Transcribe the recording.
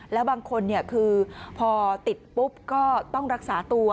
แล้วบางคนคือพอติดปุ๊บก็ต้องรักษาตัว